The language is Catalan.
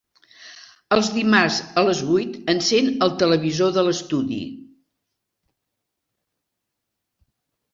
Els dimarts a les vuit encèn el televisor de l'estudi.